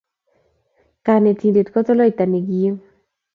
Kanetindet ko toloita ne kim